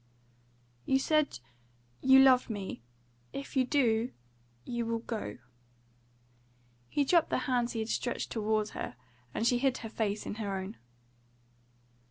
"You said you loved me. If you do, you will go." He dropped the hands he had stretched towards her, and she hid her face in her own.